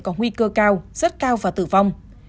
có nguy cơ cao rất cao và tử vong